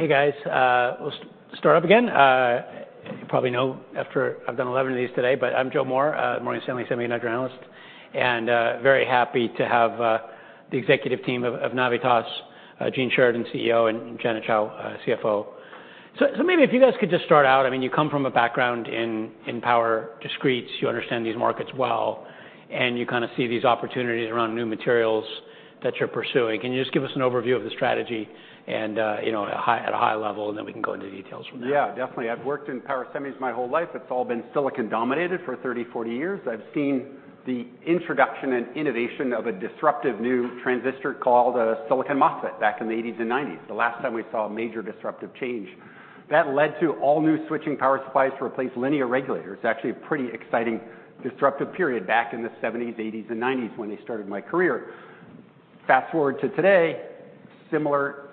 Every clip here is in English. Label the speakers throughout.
Speaker 1: Hey guys. We'll start up again. You probably know after I've done 11 of these today, but I'm Joe Moore, Morgan Stanley Semiconductor Analyst. Very happy to have the executive team of Navitas, Gene Sheridan, CEO, and Janet Chou, CFO. So maybe if you guys could just start out. I mean, you come from a background in power discretes. You understand these markets well. And you kinda see these opportunities around new materials that you're pursuing. Can you just give us an overview of the strategy and, you know, at a high level, and then we can go into details from there?
Speaker 2: Yeah, definitely. I've worked in power semis my whole life. It's all been silicon dominated for 30-40 years. I've seen the introduction and innovation of a disruptive new transistor called a silicon MOSFET back in the 1980s and 1990s, the last time we saw a major disruptive change. That led to all-new switching power supplies to replace linear regulators. Actually, a pretty exciting disruptive period back in the 1970s, 1980s, and 1990s when they started my career. Fast forward to today, similar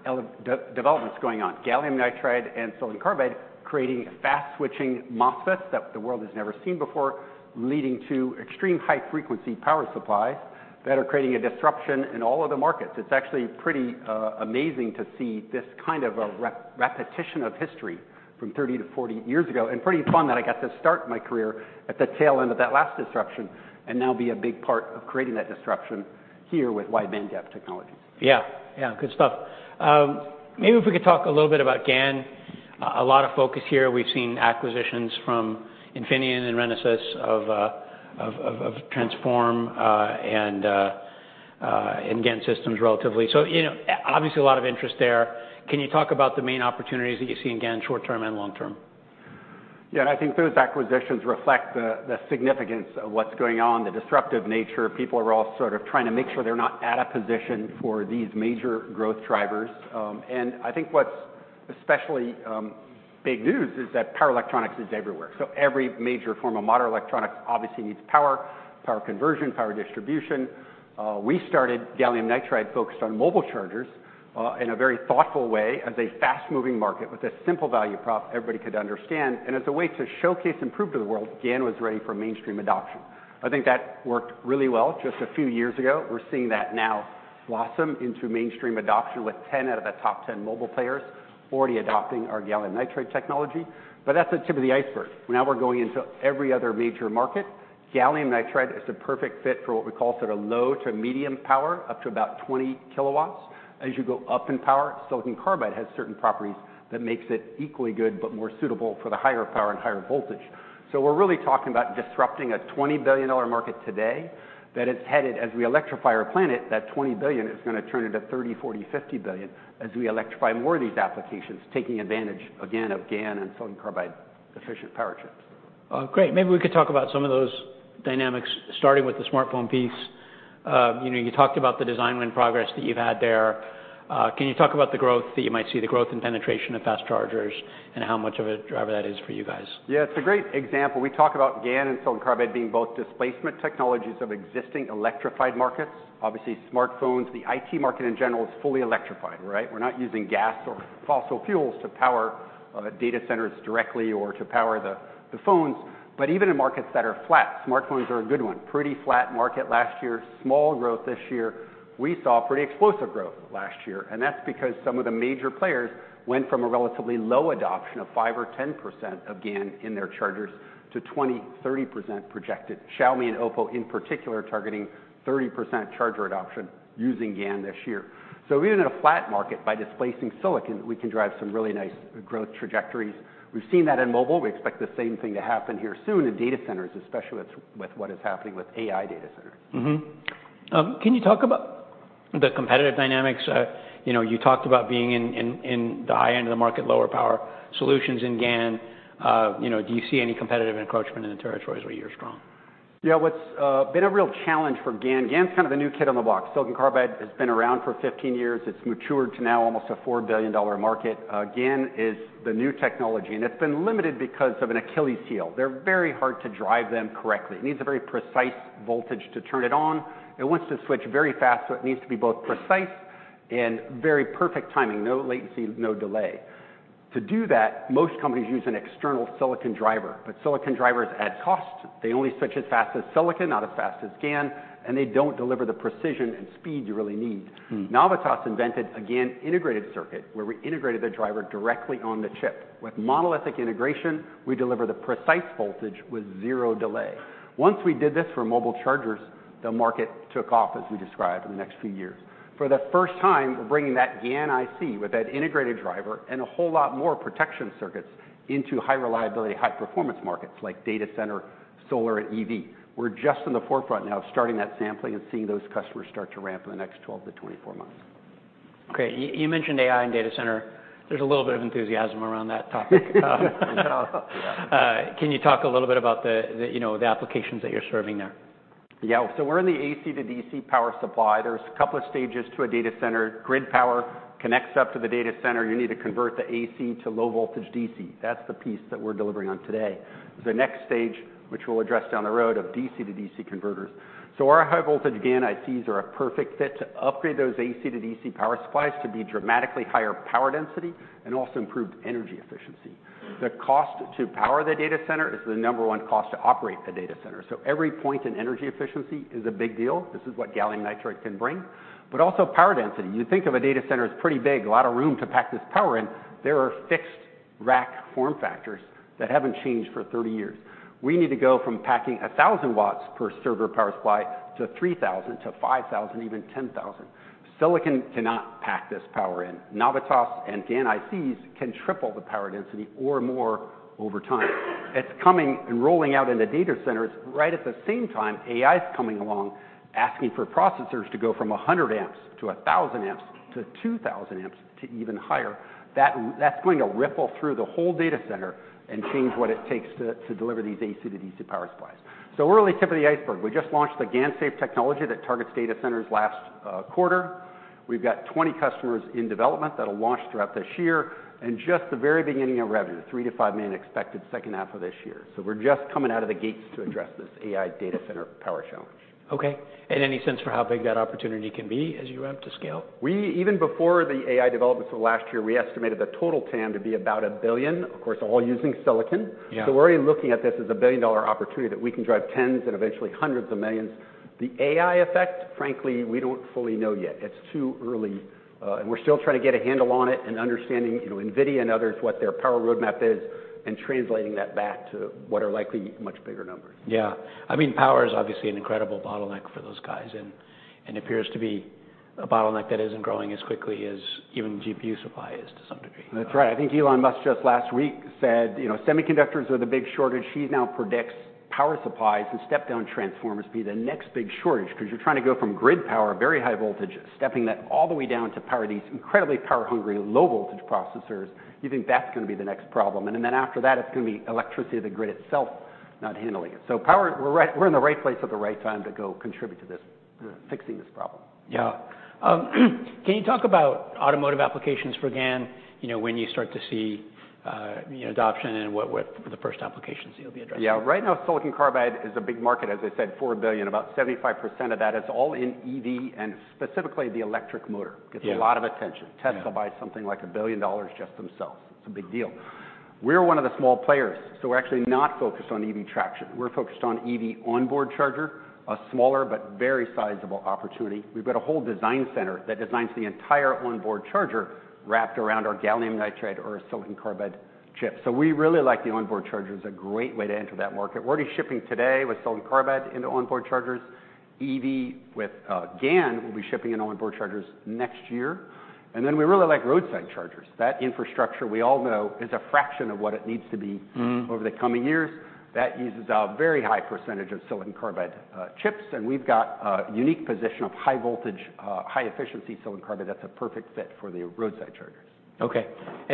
Speaker 2: developments going on: Gallium nitride and silicon carbide creating fast-switching MOSFETs that the world has never seen before, leading to extreme high-frequency power supplies that are creating a disruption in all of the markets. It's actually pretty amazing to see this kind of a repetition of history from 30-40 years ago. Pretty fun that I got to start my career at the tail end of that last disruption and now be a big part of creating that disruption here with wide bandgap technologies.
Speaker 1: Yeah. Yeah, good stuff. Maybe if we could talk a little bit about GaN. A lot of focus here. We've seen acquisitions from Infineon and Renesas of Transphorm, and GaN Systems recently. So, you know, obviously a lot of interest there. Can you talk about the main opportunities that you see in GaN short-term and long-term?
Speaker 2: Yeah. And I think those acquisitions reflect the significance of what's going on, the disruptive nature. People are all sort of trying to make sure they're not at a position for these major growth drivers. I think what's especially big news is that power electronics is everywhere. So every major form of modern electronics obviously needs power, power conversion, power distribution. We started gallium nitride focused on mobile chargers, in a very thoughtful way as a fast-moving market with a simple value prop everybody could understand. And as a way to showcase improved to the world, GaN was ready for mainstream adoption. I think that worked really well just a few years ago. We're seeing that now blossom into mainstream adoption with 10 out of the top 10 mobile players already adopting our gallium nitride technology. But that's the tip of the iceberg. Now we're going into every other major market. Gallium nitride is the perfect fit for what we call sort of low to medium power, up to about 20 kW. As you go up in power, silicon carbide has certain properties that makes it equally good but more suitable for the higher power and higher voltage. So we're really talking about disrupting a $20 billion market today. That it's headed as we electrify our planet, that $20 billion is gonna turn into $30 billion, $40 billion, $50 billion as we electrify more of these applications, taking advantage, again, of GaN and silicon carbide-efficient power chips.
Speaker 1: Great. Maybe we could talk about some of those dynamics, starting with the smartphone piece. You know, you talked about the design win progress that you've had there. Can you talk about the growth that you might see, the growth and penetration of fast chargers, and how much of a driver that is for you guys?
Speaker 2: Yeah, it's a great example. We talk about GaN and silicon carbide being both displacement technologies of existing electrified markets. Obviously, smartphones, the IT market in general is fully electrified, right? We're not using gas or fossil fuels to power data centers directly or to power the phones. But even in markets that are flat, smartphones are a good one. Pretty flat market last year, small growth this year. We saw pretty explosive growth last year. And that's because some of the major players went from a relatively low adoption of 5% or 10% of GaN in their chargers to 20%-30% projected. Xiaomi and OPPO, in particular, targeting 30% charger adoption using GaN this year. So even in a flat market, by displacing silicon, we can drive some really nice growth trajectories. We've seen that in mobile. We expect the same thing to happen here soon in data centers, especially with what is happening with AI data centers.
Speaker 1: Mm-hmm. Can you talk about the competitive dynamics? You know, you talked about being in the high end of the market, lower power solutions in GaN. You know, do you see any competitive encroachment in the territories where you're strong?
Speaker 2: Yeah. What's been a real challenge for GaN. GaN's kind of the new kid on the block. Silicon carbide has been around for 15 years. It's matured to now almost a $4 billion market. GaN is the new technology. It's been limited because of an Achilles heel. They're very hard to drive them correctly. It needs a very precise voltage to turn it on. It wants to switch very fast. So it needs to be both precise and very perfect timing, no latency, no delay. To do that, most companies use an external silicon driver. Silicon drivers add cost. They only switch as fast as silicon, not as fast as GaN. They don't deliver the precision and speed you really need.
Speaker 1: Mm-hmm.
Speaker 2: Navitas invented a GaN-integrated circuit where we integrated the driver directly on the chip. With monolithic integration, we deliver the precise voltage with zero delay. Once we did this for mobile chargers, the market took off, as we described, in the next few years. For the first time, we're bringing that GaN IC with that integrated driver and a whole lot more protection circuits into high-reliability, high-performance markets like data center, solar, and EV. We're just in the forefront now of starting that sampling and seeing those customers start to ramp in the next 12-24 months.
Speaker 1: Okay. You mentioned AI and data center. There's a little bit of enthusiasm around that topic. Can you talk a little bit about the, you know, the applications that you're serving there?
Speaker 2: Yeah. So we're in the AC to DC power supply. There's a couple of stages to a data center. Grid power connects up to the data center. You need to convert the AC to low-voltage DC. That's the piece that we're delivering on today. There's a next stage, which we'll address down the road, of DC to DC converters. So our high-voltage GaN ICs are a perfect fit to upgrade those AC to DC power supplies to be dramatically higher power density and also improved energy efficiency. The cost to power the data center is the number one cost to operate the data center. So every point in energy efficiency is a big deal. This is what gallium nitride can bring. But also power density. You think of a data center as pretty big, a lot of room to pack this power in. There are fixed rack form factors that haven't changed for 30 years. We need to go from packing 1,000 watts per server power supply to 3,000 to 5,000, even 10,000. Silicon cannot pack this power in. Navitas and GaN ICs can triple the power density or more over time. It's coming and rolling out in the data center. It's right at the same time AI's coming along asking for processors to go from 100 amps to 1,000 amps to 2,000 amps to even higher. That's going to ripple through the whole data center and change what it takes to deliver these AC to DC power supplies. So we're only tip of the iceberg. We just launched the GaNSafe technology that targets data centers last quarter. We've got 20 customers in development that'll launch throughout this year and just the very beginning of revenue, $3 million-$5 million expected second half of this year. So we're just coming out of the gates to address this AI data center power challenge.
Speaker 1: Okay. Any sense for how big that opportunity can be as you ramp to scale?
Speaker 2: We even before the AI developments of last year, we estimated the total TAM to be about $1 billion, of course, all using silicon.
Speaker 1: Yeah.
Speaker 2: So we're already looking at this as a billion-dollar opportunity that we can drive tens and eventually hundreds of millions. The AI effect, frankly, we don't fully know yet. It's too early. We're still trying to get a handle on it and understanding, you know, NVIDIA and others, what their power roadmap is and translating that back to what are likely much bigger numbers.
Speaker 1: Yeah. I mean, power is obviously an incredible bottleneck for those guys. And it appears to be a bottleneck that isn't growing as quickly as even GPU supply is to some degree.
Speaker 2: That's right. I think Elon Musk just last week said, you know, semiconductors are the big shortage. He now predicts power supplies and step-down transformers to be the next big shortage because you're trying to go from grid power, very high voltage, stepping that all the way down to power these incredibly power-hungry low-voltage processors. He thinks that's gonna be the next problem. And then after that, it's gonna be electricity of the grid itself not handling it. So power, we're right, we're in the right place at the right time to go contribute to this, fixing this problem.
Speaker 1: Yeah. Can you talk about automotive applications for GaN, you know, when you start to see, you know, adoption and what, what the first applications that you'll be addressing?
Speaker 2: Yeah. Right now, silicon carbide is a big market, as I said, $4 billion. About 75% of that is all in EV and specifically the electric motor.
Speaker 1: Yeah.
Speaker 2: Gets a lot of attention. Tesla buys something like $1 billion just themselves. It's a big deal. We're one of the small players. So we're actually not focused on EV traction. We're focused on EV onboard charger, a smaller but very sizable opportunity. We've got a whole design center that designs the entire onboard charger wrapped around our gallium nitride or a silicon carbide chip. So we really like the onboard charger. It's a great way to enter that market. We're already shipping today with silicon carbide into onboard chargers. EV with GaN will be shipping in onboard chargers next year. And then we really like roadside chargers. That infrastructure, we all know, is a fraction of what it needs to be.
Speaker 1: Mm-hmm.
Speaker 2: Over the coming years that uses a very high percentage of silicon carbide chips. And we've got a unique position of high-voltage, high-efficiency silicon carbide that's a perfect fit for the roadside chargers.
Speaker 1: Okay.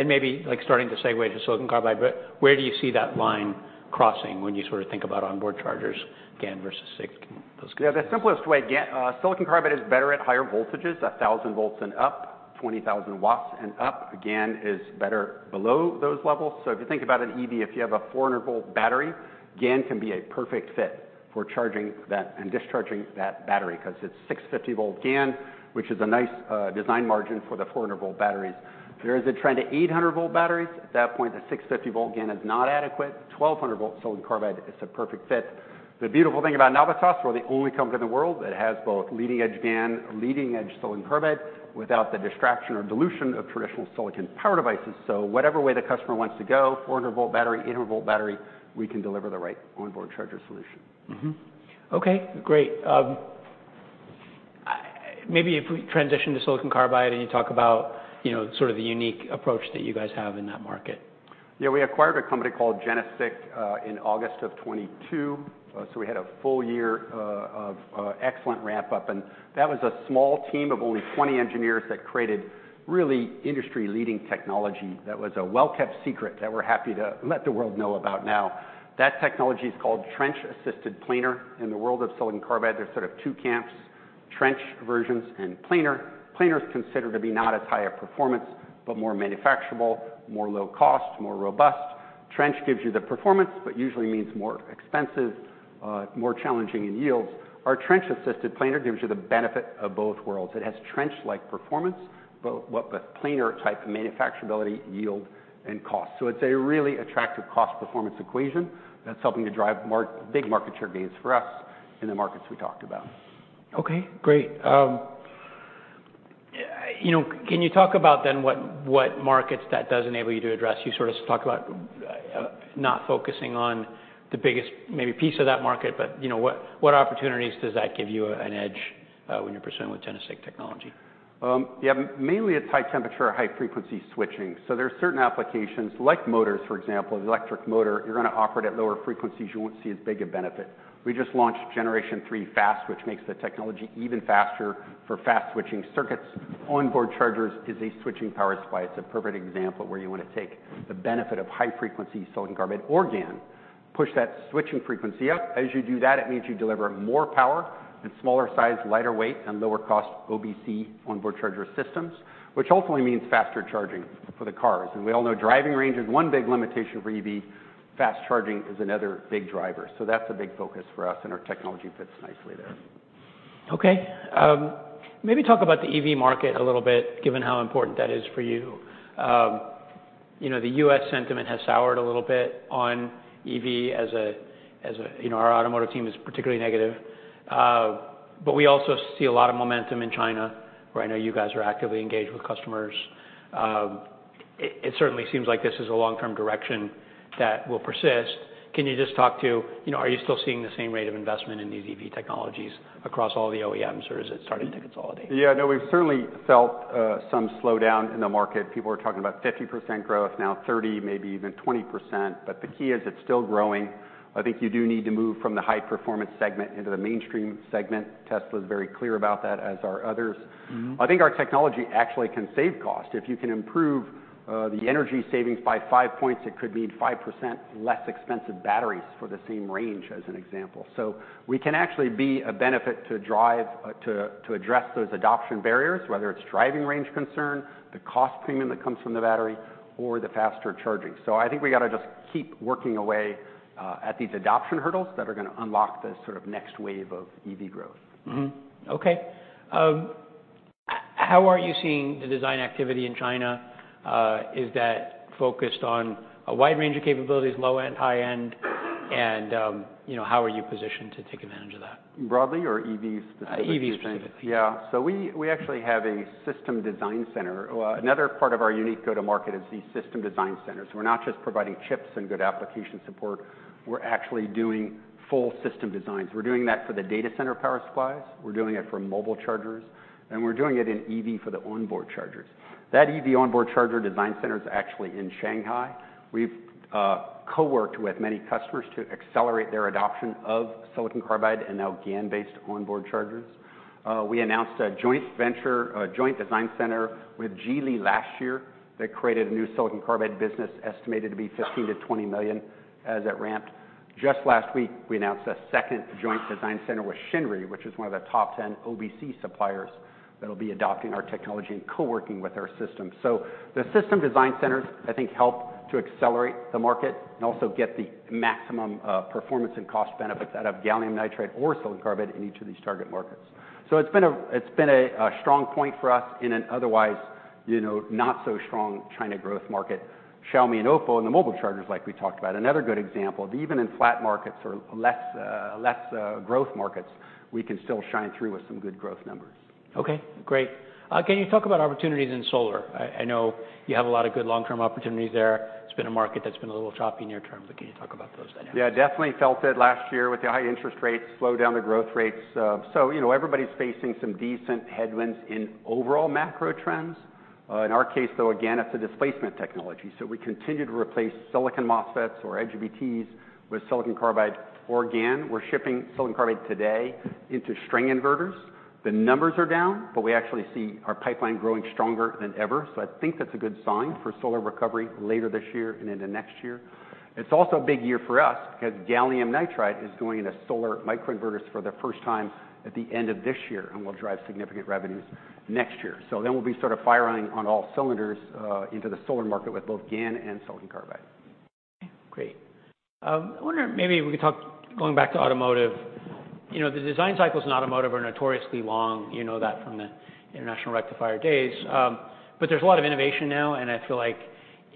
Speaker 1: Maybe, like, starting to segue to silicon carbide, but where do you see that line crossing when you sort of think about onboard chargers, GaN versus silicon, those kinds of things?
Speaker 2: Yeah. The simplest way, GaN, silicon carbide is better at higher voltages, 1,000 volts and up, 20,000 watts and up. GaN is better below those levels. So if you think about an EV, if you have a 400-volt battery, GaN can be a perfect fit for charging that and discharging that battery because it's 650-volt GaN, which is a nice, design margin for the 400-volt batteries. There is a trend to 800-volt batteries. At that point, the 650-volt GaN is not adequate. 1,200-volt silicon carbide is a perfect fit. The beautiful thing about Navitas, we're the only company in the world that has both leading-edge GaN, leading-edge silicon carbide without the distraction or dilution of traditional silicon power devices. So whatever way the customer wants to go, 400-volt battery, 800-volt battery, we can deliver the right onboard charger solution.
Speaker 1: Mm-hmm. Okay. Great. Maybe if we transition to silicon carbide and you talk about, you know, sort of the unique approach that you guys have in that market.
Speaker 2: Yeah. We acquired a company called GeneSiC in August of 2022. So we had a full year of excellent ramp-up. And that was a small team of only 20 engineers that created really industry-leading technology that was a well-kept secret that we're happy to let the world know about now. That technology's called trench-assisted planar. In the world of silicon carbide, there's sort of two camps: trench versions and planar. Planar's considered to be not as high a performance but more manufacturable, more low-cost, more robust. Trench gives you the performance but usually means more expensive, more challenging in yields. Our trench-assisted planar gives you the benefit of both worlds. It has trench-like performance but what with planar-type manufacturability, yield, and cost. So it's a really attractive cost-performance equation that's helping to drive major big market share gains for us in the markets we talked about.
Speaker 1: Okay. Great. You know, can you talk about then what, what markets that does enable you to address? You sort of talked about, not focusing on the biggest maybe piece of that market. But, you know, what, what opportunities does that give you a, an edge, when you're pursuing with GeneSiC technology?
Speaker 2: Yeah. Mainly, it's high-temperature, high-frequency switching. So there are certain applications, like motors, for example, an electric motor. You're gonna operate at lower frequencies. You won't see as big a benefit. We just launched Generation 3 GaNFast, which makes the technology even faster for fast-switching circuits. Onboard chargers is a switching power supply. It's a perfect example of where you wanna take the benefit of high-frequency silicon carbide or GaN, push that switching frequency up. As you do that, it means you deliver more power and smaller size, lighter weight, and lower-cost OBC onboard charger systems, which ultimately means faster charging for the cars. And we all know driving range is one big limitation for EV. Fast charging is another big driver. So that's a big focus for us. And our technology fits nicely there.
Speaker 1: Okay. Maybe talk about the EV market a little bit, given how important that is for you. You know, the U.S. sentiment has soured a little bit on EV as a, you know, our automotive team is particularly negative. But we also see a lot of momentum in China, where I know you guys are actively engaged with customers. It certainly seems like this is a long-term direction that will persist. Can you just talk to, you know, are you still seeing the same rate of investment in these EV technologies across all the OEMs, or has it started to consolidate?
Speaker 2: Yeah. No, we've certainly felt some slowdown in the market. People are talking about 50% growth, now 30%, maybe even 20%. But the key is it's still growing. I think you do need to move from the high-performance segment into the mainstream segment. Tesla's very clear about that, as are others.
Speaker 1: Mm-hmm.
Speaker 2: I think our technology actually can save cost. If you can improve the energy savings by five points, it could mean 5% less expensive batteries for the same range, as an example. So we can actually be a benefit to drive, to, to address those adoption barriers, whether it's driving range concern, the cost premium that comes from the battery, or the faster charging. So I think we gotta just keep working away at these adoption hurdles that are gonna unlock this sort of next wave of EV growth.
Speaker 1: Mm-hmm. Okay. How are you seeing the design activity in China? Is that focused on a wide range of capabilities, low-end, high-end? And, you know, how are you positioned to take advantage of that?
Speaker 2: Broadly or EV specifically?
Speaker 1: EV specifically.
Speaker 2: Yeah. So we, we actually have a system design center. Another part of our unique go-to-market is these system design centers. We're not just providing chips and good application support. We're actually doing full system designs. We're doing that for the data center power supplies. We're doing it for mobile chargers. And we're doing it in EV for the onboard chargers. That EV onboard charger design center's actually in Shanghai. We've, co-worked with many customers to accelerate their adoption of silicon carbide and now GaN-based onboard chargers. We announced a joint venture, a joint design center with Geely last year that created a new silicon carbide business estimated to be $15 million-$20 million as it ramped. Just last week, we announced a second joint design center with Shinry, which is one of the top 10 OBC suppliers that'll be adopting our technology and co-working with our system. So the system design centers, I think, help to accelerate the market and also get the maximum performance and cost benefits out of gallium nitride or silicon carbide in each of these target markets. So it's been a strong point for us in an otherwise, you know, not-so-strong China growth market. Xiaomi and OPPO and the mobile chargers, like we talked about, another good example. Even in flat markets or less growth markets, we can still shine through with some good growth numbers.
Speaker 1: Okay. Great. Can you talk about opportunities in solar? I know you have a lot of good long-term opportunities there. It's been a market that's been a little choppy near term. But can you talk about those dynamics?
Speaker 2: Yeah. Definitely felt it last year with the high interest rates, slowed down the growth rates. So, you know, everybody's facing some decent headwinds in overall macro trends. In our case, though, again, it's a displacement technology. So we continue to replace silicon MOSFETs or IGBTs with silicon carbide or GaN. We're shipping silicon carbide today into string inverters. The numbers are down, but we actually see our pipeline growing stronger than ever. So I think that's a good sign for solar recovery later this year and into next year. It's also a big year for us because gallium nitride is going into solar microinverters for the first time at the end of this year and will drive significant revenues next year. So then we'll be sort of firing on all cylinders, into the solar market with both GaN and silicon carbide.
Speaker 1: Okay. Great. I wonder if maybe we could talk going back to automotive. You know, the design cycles in automotive are notoriously long. You know that from the International Rectifier days. But there's a lot of innovation now. And I feel like,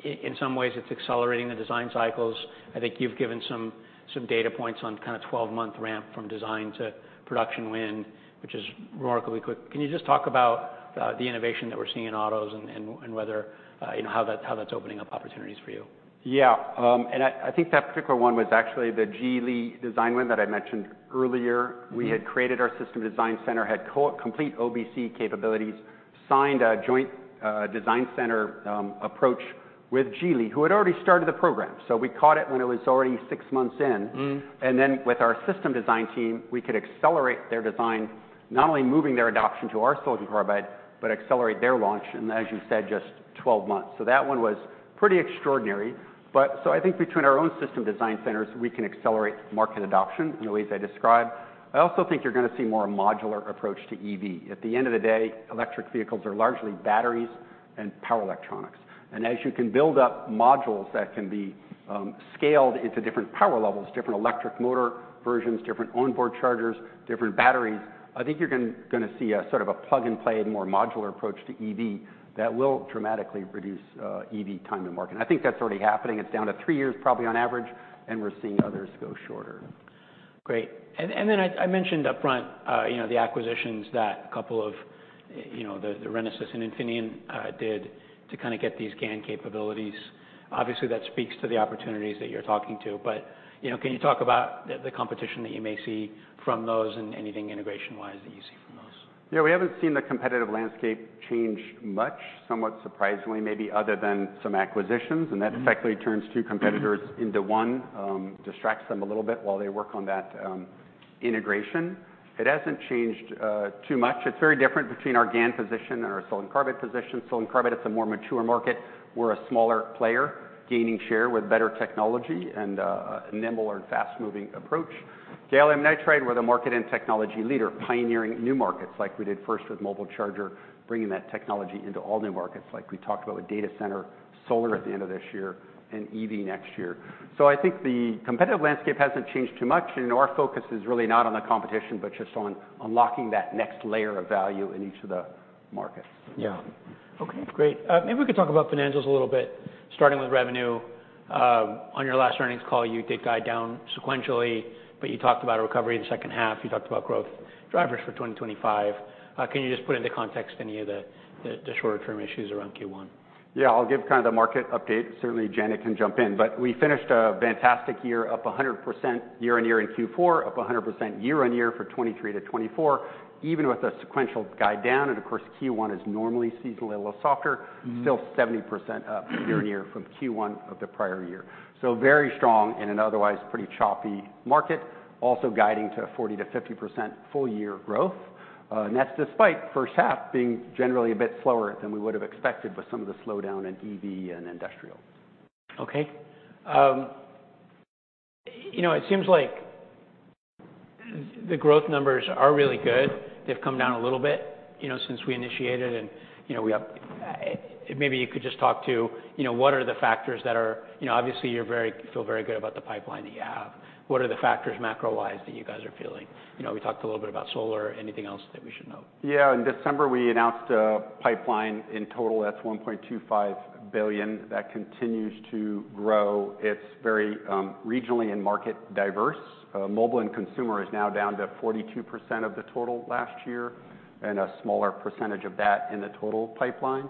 Speaker 1: in some ways, it's accelerating the design cycles. I think you've given some, some data points on kind of 12-month ramp from design to production win, which is remarkably quick. Can you just talk about the innovation that we're seeing in autos and whether, you know, how that's opening up opportunities for you?
Speaker 2: Yeah. And I think that particular one was actually the Geely design win that I mentioned earlier.
Speaker 1: Mm-hmm.
Speaker 2: We had created our system design center, had complete OBC capabilities, signed a joint design center approach with Geely, who had already started the program. So we caught it when it was already six months in.
Speaker 1: Mm-hmm.
Speaker 2: And then with our system design team, we could accelerate their design, not only moving their adoption to our silicon carbide but accelerate their launch in, as you said, just 12 months. So that one was pretty extraordinary. But so I think between our own system design centers, we can accelerate market adoption in the ways I described. I also think you're gonna see more a modular approach to EV. At the end of the day, electric vehicles are largely batteries and power electronics. And as you can build up modules that can be scaled into different power levels, different electric motor versions, different onboard chargers, different batteries, I think you're gonna, gonna see a sort of a plug-and-play, more modular approach to EV that will dramatically reduce EV time to market. And I think that's already happening. It's down to three years, probably, on average. We're seeing others go shorter.
Speaker 1: Great. And then I mentioned upfront, you know, the acquisitions that a couple of, you know, the GeneSiC and Infineon, did to kinda get these GaN capabilities. Obviously, that speaks to the opportunities that you're talking to. But, you know, can you talk about the competition that you may see from those and anything integration-wise that you see from those?
Speaker 2: Yeah. We haven't seen the competitive landscape change much, somewhat surprisingly, maybe other than some acquisitions. And that effectively turns two competitors into one, distracts them a little bit while they work on that, integration. It hasn't changed too much. It's very different between our GaN position and our silicon carbide position. silicon carbide, it's a more mature market. We're a smaller player gaining share with better technology and a nimble and fast-moving approach. Gallium nitride, we're the market and technology leader, pioneering new markets like we did first with mobile charger, bringing that technology into all new markets like we talked about with data center, solar at the end of this year, and EV next year. So I think the competitive landscape hasn't changed too much. And our focus is really not on the competition but just on unlocking that next layer of value in each of the markets.
Speaker 1: Yeah. Okay. Great. Maybe we could talk about financials a little bit, starting with revenue. On your last earnings call, you did guide down sequentially. But you talked about a recovery in the second half. You talked about growth drivers for 2025. Can you just put into context any of the, the, the shorter-term issues around Q1?
Speaker 2: Yeah. I'll give kinda the market update. Certainly, Janet can jump in. But we finished a fantastic year, up 100% year-over-year in Q4, up 100% year-over-year for 2023 to 2024, even with a sequential guide down. And, of course, Q1 is normally seasonally a little softer.
Speaker 1: Mm-hmm.
Speaker 2: Still 70% up year-on-year from Q1 of the prior year. So very strong in an otherwise pretty choppy market, also guiding to 40%-50% full-year growth. That's despite first half being generally a bit slower than we would have expected with some of the slowdown in EV and industrial.
Speaker 1: Okay. You know, it seems like the growth numbers are really good. They've come down a little bit, you know, since we initiated. And, you know, we have maybe you could just talk to, you know, what are the factors that are you know, obviously, you're very feel very good about the pipeline that you have. What are the factors macro-wise that you guys are feeling? You know, we talked a little bit about solar. Anything else that we should know?
Speaker 2: Yeah. In December, we announced a pipeline. In total, that's $1.25 billion. That continues to grow. It's very regionally and market diverse. Mobile and consumer is now down to 42% of the total last year and a smaller percentage of that in the total pipeline.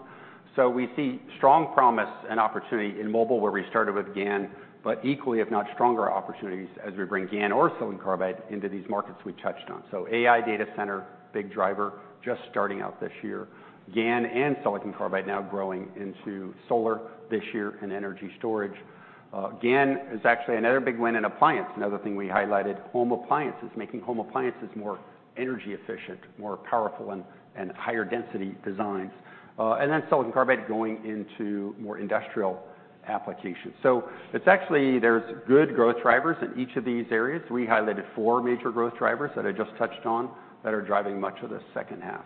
Speaker 2: So we see strong promise and opportunity in mobile, where we started with GaN, but equally, if not stronger, opportunities as we bring GaN or silicon carbide into these markets we touched on. So AI data center, big driver, just starting out this year. GaN and silicon carbide now growing into solar this year and energy storage. GaN is actually another big win in appliance, another thing we highlighted. Home appliances, making home appliances more energy efficient, more powerful, and higher-density designs. And then silicon carbide going into more industrial applications. So it's actually there's good growth drivers in each of these areas. We highlighted four major growth drivers that I just touched on that are driving much of the second half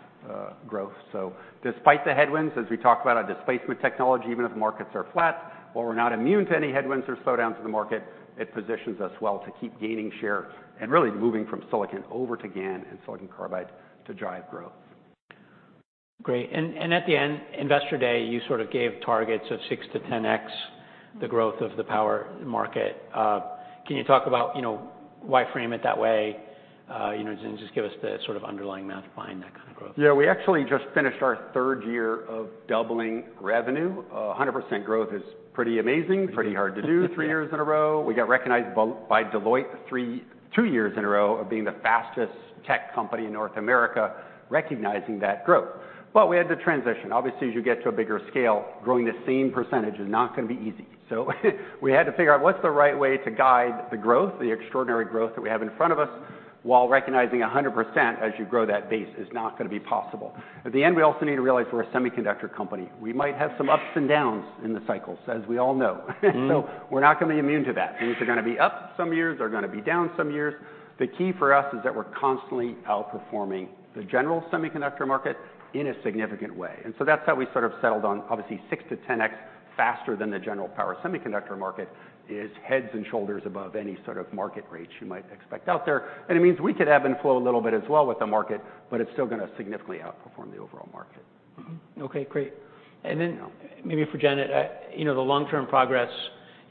Speaker 2: growth. So despite the headwinds, as we talk about on displacement technology, even if markets are flat, while we're not immune to any headwinds or slowdowns in the market, it positions us well to keep gaining share and really moving from silicon over to GaN and silicon carbide to drive growth.
Speaker 1: Great. And at the end, Investor Day, you sort of gave targets of 6-10x the growth of the power market. Can you talk about, you know, why frame it that way? You know, and just give us the sort of underlying math behind that kind of growth.
Speaker 2: Yeah. We actually just finished our third year of doubling revenue. 100% growth is pretty amazing, pretty hard to do three years in a row. We got recognized by Deloitte for two years in a row of being the fastest tech company in North America, recognizing that growth. But we had to transition. Obviously, as you get to a bigger scale, growing the same percentage is not gonna be easy. So we had to figure out what's the right way to guide the growth, the extraordinary growth that we have in front of us, while recognizing 100% as you grow that base is not gonna be possible. At the end, we also need to realize we're a semiconductor company. We might have some ups and downs in the cycles, as we all know.
Speaker 1: Mm-hmm.
Speaker 2: We're not gonna be immune to that. Things are gonna be up some years. They're gonna be down some years. The key for us is that we're constantly outperforming the general semiconductor market in a significant way. And so that's how we sort of settled on, obviously, 6-10x faster than the general power semiconductor market is heads and shoulders above any sort of market rate you might expect out there. And it means we could ebb and flow a little bit as well with the market, but it's still gonna significantly outperform the overall market.
Speaker 1: Mm-hmm. Okay. Great. And then.
Speaker 2: Yeah.
Speaker 1: Maybe for Janet, you know, the long-term progress,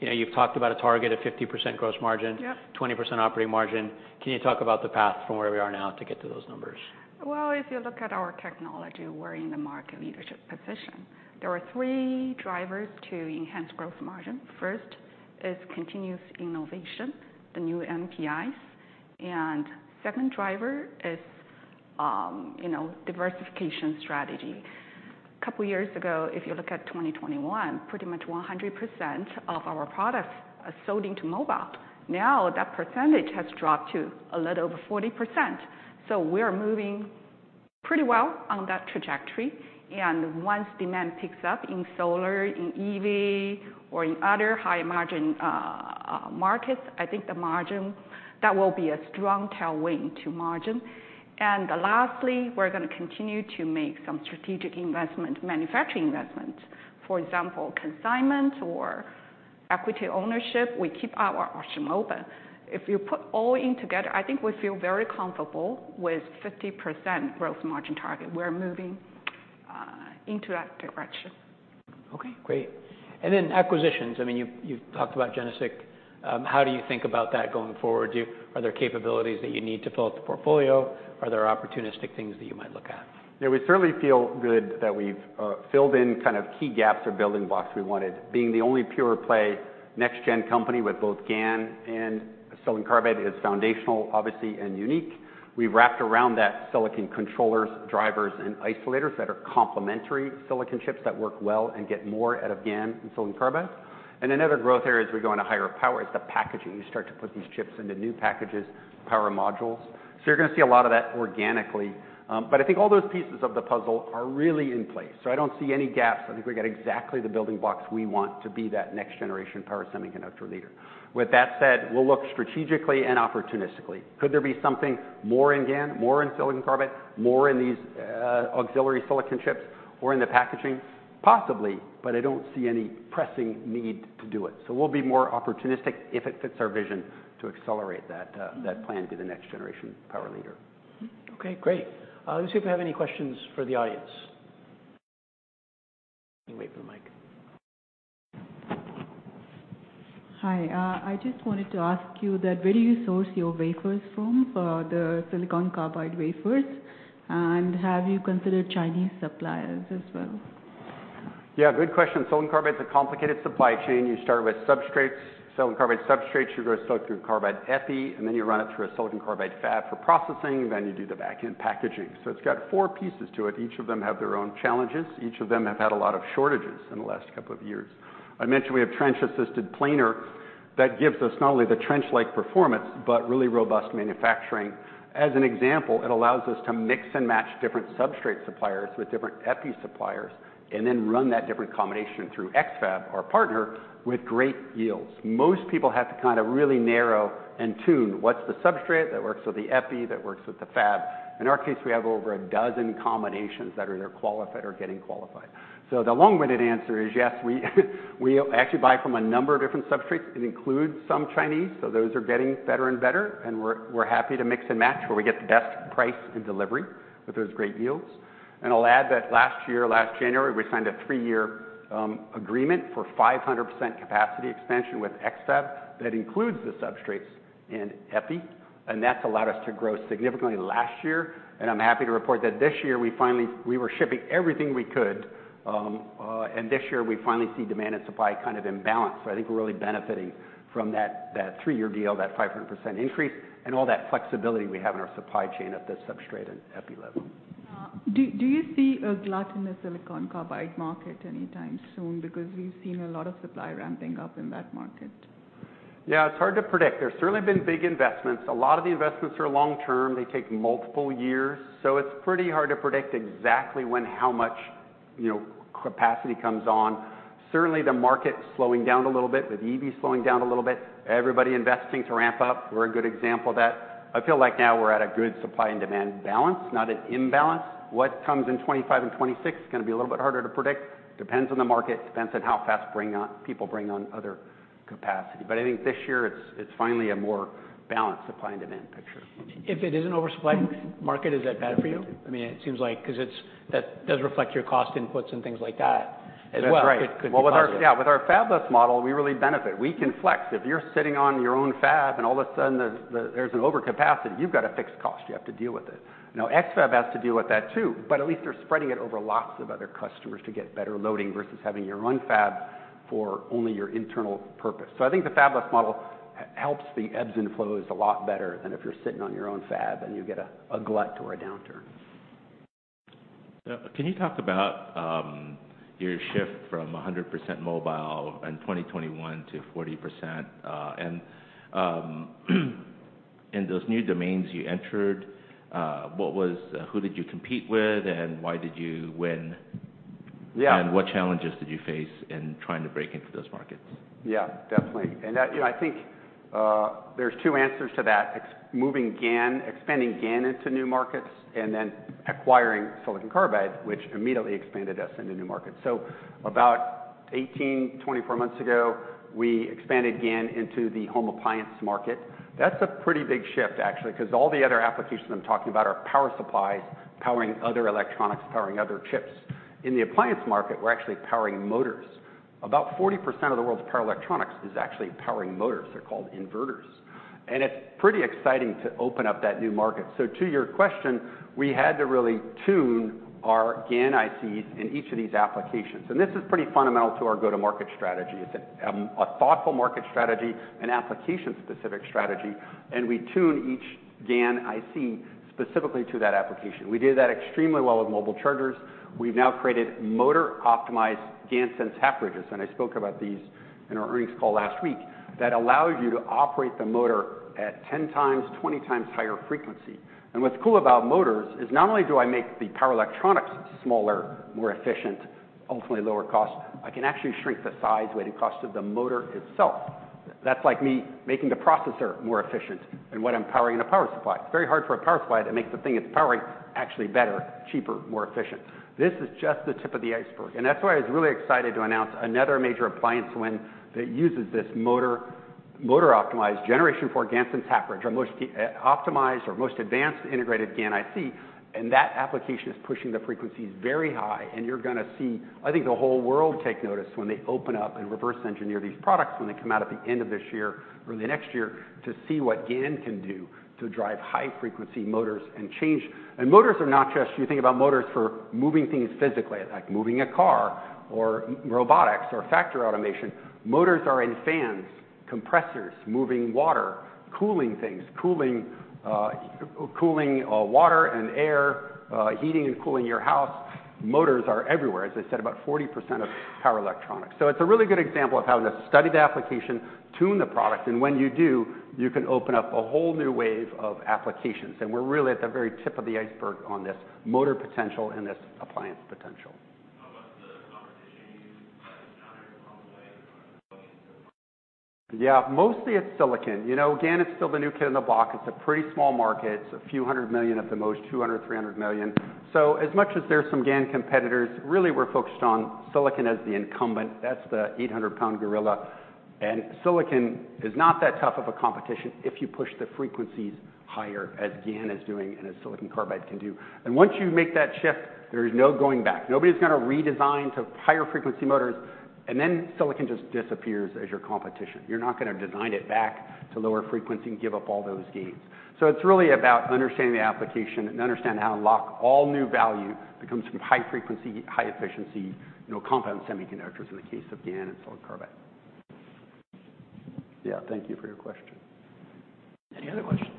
Speaker 1: you know, you've talked about a target of 50% gross margin.
Speaker 3: Yep.
Speaker 1: 20% operating margin. Can you talk about the path from where we are now to get to those numbers?
Speaker 3: Well, if you look at our technology, we're in the market leadership position. There are three drivers to enhance gross margin. First is continuous innovation, the new NPIs. And second driver is, you know, diversification strategy. A couple of years ago, if you look at 2021, pretty much 100% of our products are sold into mobile. Now, that percentage has dropped to a little over 40%. So we are moving pretty well on that trajectory. And once demand picks up in solar, in EV, or in other high-margin markets, I think the margin that will be a strong tailwind to margin. And lastly, we're gonna continue to make some strategic investment, manufacturing investments. For example, consignment or equity ownership, we keep our option open. If you put all in together, I think we feel very comfortable with 50% gross margin target. We're moving into that direction.
Speaker 1: Okay. Great. And then acquisitions. I mean, you've, you've talked about GeneSiC. How do you think about that going forward? Do you are there capabilities that you need to fill out the portfolio? Are there opportunistic things that you might look at?
Speaker 2: Yeah. We certainly feel good that we've filled in kind of key gaps or building blocks we wanted, being the only pure-play next-gen company with both GaN and silicon carbide is foundational, obviously, and unique. We've wrapped around that silicon controllers, drivers, and isolators that are complementary silicon chips that work well and get more out of GaN and silicon carbide. And another growth area as we go into higher power is the packaging. You start to put these chips into new packages, power modules. So you're gonna see a lot of that organically. But I think all those pieces of the puzzle are really in place. So I don't see any gaps. I think we got exactly the building blocks we want to be that next-generation power semiconductor leader. With that said, we'll look strategically and opportunistically. Could there be something more in GaN, more in silicon carbide, more in these, auxiliary silicon chips, or in the packaging? Possibly. But I don't see any pressing need to do it. So we'll be more opportunistic if it fits our vision to accelerate that, that plan to be the next-generation power leader.
Speaker 1: Okay. Great. Let me see if we have any questions for the audience. Wait for the mic.
Speaker 4: Hi. I just wanted to ask you that where do you source your wafers from, the silicon carbide wafers? And have you considered Chinese suppliers as well?
Speaker 2: Yeah. Good question. Silicon carbide's a complicated supply chain. You start with substrates, silicon carbide substrates. You go silicon carbide epi. And then you run it through a silicon carbide fab for processing. And then you do the back-end packaging. So it's got four pieces to it. Each of them have their own challenges. Each of them have had a lot of shortages in the last couple of years. I mentioned we have trench-assisted planar that gives us not only the trench-like performance but really robust manufacturing. As an example, it allows us to mix and match different substrate suppliers with different epi suppliers and then run that different combination through X-FAB, our partner, with great yields. Most people have to kinda really narrow and tune what's the substrate that works with the epi, that works with the fab. In our case, we have over a dozen combinations that are either qualified or getting qualified. So the long-winded answer is, yes, we, we actually buy from a number of different substrates. It includes some Chinese. So those are getting better and better. And we're, we're happy to mix and match where we get the best price and delivery with those great yields. And I'll add that last year, last January, we signed a three-year agreement for 500% capacity expansion with X-FAB that includes the substrates and epi. And that's allowed us to grow significantly last year. And I'm happy to report that this year, we finally we were shipping everything we could. And this year, we finally see demand and supply kind of in balance. So I think we're really benefiting from that, that three-year deal, that 500% increase, and all that flexibility we have in our supply chain at the substrate and epi level.
Speaker 4: Do you see a glut in the silicon carbide market anytime soon? Because we've seen a lot of supply ramping up in that market.
Speaker 2: Yeah. It's hard to predict. There's certainly been big investments. A lot of the investments are long-term. They take multiple years. So it's pretty hard to predict exactly when how much, you know, capacity comes on. Certainly, the market's slowing down a little bit with EV slowing down a little bit. Everybody investing to ramp up. We're a good example of that. I feel like now we're at a good supply and demand balance, not an imbalance. What comes in 2025 and 2026 is gonna be a little bit harder to predict. Depends on the market. Depends on how fast bring on people bring on other capacity. But I think this year, it's, it's finally a more balanced supply and demand picture.
Speaker 1: If it is an oversupply market, is that bad for you? I mean, it seems like 'cause it's that does reflect your cost inputs and things like that as well.
Speaker 2: That's right.
Speaker 1: Could be a problem.
Speaker 2: Well, with our fabless model, we really benefit. We can flex. If you're sitting on your own fab and all of a sudden, there's an overcapacity, you've got a fixed cost. You have to deal with it. Now, X-FAB has to deal with that too. But at least they're spreading it over lots of other customers to get better loading versus having your own fab for only your internal purpose. So I think the fabless model helps the ebbs and flows a lot better than if you're sitting on your own fab and you get a glut or a downturn.
Speaker 5: Yeah. Can you talk about your shift from 100% mobile in 2021 to 40%? And, in those new domains you entered, what was who did you compete with? And why did you win?
Speaker 2: Yeah.
Speaker 5: What challenges did you face in trying to break into those markets?
Speaker 2: Yeah. Definitely. And that, you know, I think, there's two answers to that. Expanding GaN, expanding GaN into new markets, and then acquiring silicon carbide, which immediately expanded us into new markets. So about 18-24 months ago, we expanded GaN into the home appliance market. That's a pretty big shift, actually, 'cause all the other applications I'm talking about are power supplies, powering other electronics, powering other chips. In the appliance market, we're actually powering motors. About 40% of the world's power electronics is actually powering motors. They're called inverters. And it's pretty exciting to open up that new market. So to your question, we had to really tune our GaN ICs in each of these applications. And this is pretty fundamental to our go-to-market strategy. It's a thoughtful market strategy, an application-specific strategy. And we tune each GaN IC specifically to that application. We did that extremely well with mobile chargers. We've now created motor-optimized GaNSense half-bridges. I spoke about these in our earnings call last week. That allows you to operate the motor at 10 times, 20 times higher frequency. What's cool about motors is not only do I make the power electronics smaller, more efficient, ultimately lower cost, I can actually shrink the size, weighted cost of the motor itself. That's like me making the processor more efficient than what I'm powering in a power supply. It's very hard for a power supply to make the thing it's powering actually better, cheaper, more efficient. This is just the tip of the iceberg. That's why I was really excited to announce another major appliance win that uses this motor, motor-optimized generation for GaNSense half-bridge, our most optimized or most advanced integrated GaN IC. That application is pushing the frequencies very high. You're gonna see, I think, the whole world take notice when they open up and reverse engineer these products when they come out at the end of this year or the next year to see what GaN can do to drive high-frequency motors and change. Motors are not just you think about motors for moving things physically, like moving a car or robotics or factory automation. Motors are in fans, compressors, moving water, cooling things, cooling, cooling, water and air, heating and cooling your house. Motors are everywhere. As I said, about 40% of power electronics. So it's a really good example of how to study the application, tune the product. When you do, you can open up a whole new wave of applications. We're really at the very tip of the iceberg on this motor potential and this appliance potential.
Speaker 6: How about the competition you encountered along the way?
Speaker 2: Yeah. Mostly, it's silicon. You know, GaN is still the new kid on the block. It's a pretty small market. It's a few hundred million at the most, $200 million-$300 million. So as much as there's some GaN competitors, really, we're focused on silicon as the incumbent. That's the 800-pound gorilla. And silicon is not that tough of a competition if you push the frequencies higher as GaN is doing and as silicon carbide can do. And once you make that shift, there's no going back. Nobody's gonna redesign to higher-frequency motors. And then silicon just disappears as your competition. You're not gonna design it back to lower frequency and give up all those gains. So it's really about understanding the application and understanding how to unlock all new value that comes from high-frequency, high-efficiency, you know, compound semiconductors in the case of GaN and silicon carbide. Yeah. Thank you for your question.
Speaker 1: Any other questions?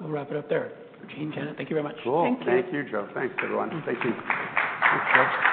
Speaker 1: We'll wrap it up there. Gene, Janet, thank you very much.
Speaker 2: Cool.
Speaker 1: Thank you.
Speaker 2: Thank you, Joe. Thanks, everyone. Thank you. Thanks, Joe.